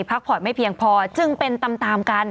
พักผ่อนไม่เพียงพอจึงเป็นตามกัน